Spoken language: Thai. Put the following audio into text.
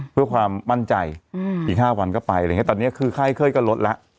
เพื่อความมั่นใจอีกห้าวันก็ไปแล้วนะครับทีนี้ค่อยก็ลดละ